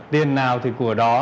tiền nào thì của đó